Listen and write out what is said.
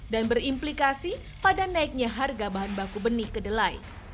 dan berimplikasi pada naiknya harga bahan baku benih kedelai